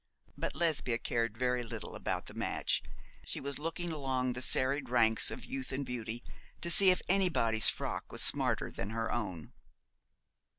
But Lesbia cared very little about the match. She was looking along the serried ranks of youth and beauty to see if anybody's frock was smarter than her own.